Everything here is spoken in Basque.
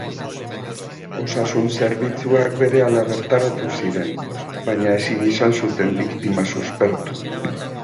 Osasun-zerbitzuak berehala bertaratu ziren, baina ezin izan zuten biktima suspertu.